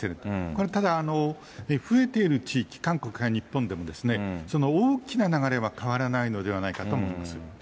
これはただ増えている地域、韓国や日本でも、大きな流れは変わらないのではないかと思います。